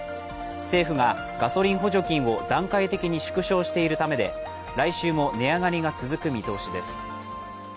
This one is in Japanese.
政府がガソリン補助金を段階的に縮小しているためで、来週も値上がりが続く見通しです。